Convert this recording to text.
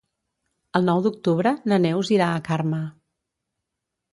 El nou d'octubre na Neus irà a Carme.